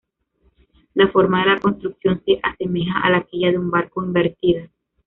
La forma de la construcción se asemeja a la quilla de un barco invertida.